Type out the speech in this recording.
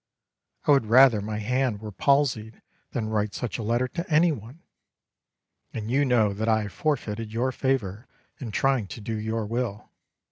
I would rather my hand were palsied than write such a letter to any one, and you know that I have forfeited your favour in trying to do your will.